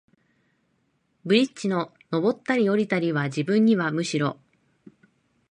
ブリッジの上ったり降りたりは、自分にはむしろ、